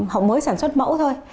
họ mới sản xuất mẫu thôi